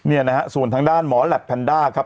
เนี่ยนะฮะส่วนทางด้านหมอแหลปแพนด้าครับ